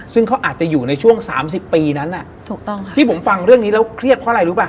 ซึ่งเขาอาจจะอยู่ในช่วง๓๐ปีนั้นที่ผมฟังเรื่องนี้แล้วเครียดเพราะอะไรรู้ป่